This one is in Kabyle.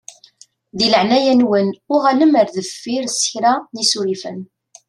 Di leɛnaya-nwen uɣalem ar deffir s kra n isurifen.